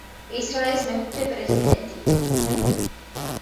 ისრაელის მეხუთე პრეზიდენტი.